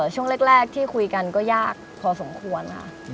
ช่วงแรกที่คุยกันก็ยากพอสมควรค่ะ